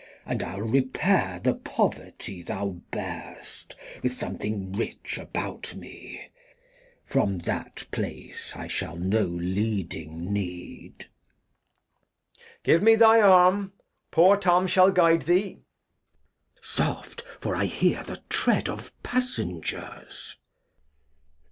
And I'U repair the Poverty thou bear'st With something rich about me, from that Place I shall no leading need. Edg. Give me thy Arm: Poor Tom shall guide thee. Glost. Soft, for I hear the Tread of Passengers.